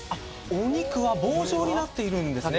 お肉は棒状になっているんですね